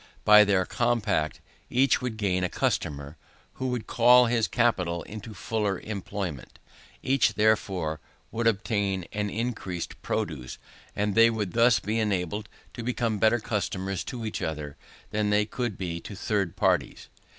By their compact, each would gain a customer, who would call his capital into fuller employment; each therefore would obtain an increased produce; and they would thus be enabled to become better customers to each other than they could be to third parties.